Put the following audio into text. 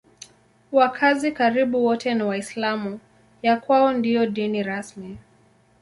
Wakazi karibu wote ni Waislamu; ya kwao ndiyo dini rasmi.